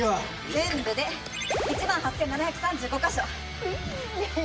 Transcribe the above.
全部で１万８７３５カ所。